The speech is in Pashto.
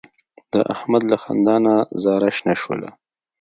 د احمد له خندا نه زاره شنه شوله.